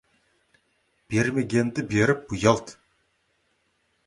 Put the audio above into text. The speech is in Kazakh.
Бермегенді беріп ұялт.